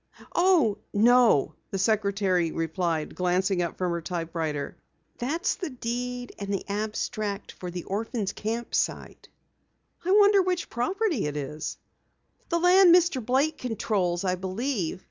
"Oh, no," the secretary replied, glancing up from her typewriter. "That is the deed and abstract for the Orphans' Camp site." "I wonder which property it is?" "The land Mr. Blake controls, I believe.